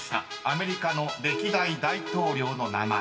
アメリカの歴代大統領の名前］